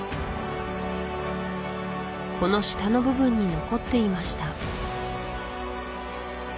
この下の部分に残っていました